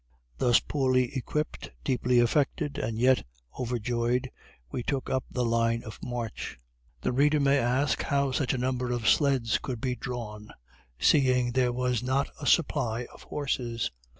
Thus poorly equipped, deeply affected, and yet overjoyed, we took up the line of march. The reader may ask how such a number of sleds could be drawn, seeing there was not a supply of horses.